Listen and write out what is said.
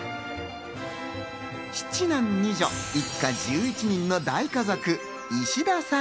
７男２女一家１１人の大家族・石田さん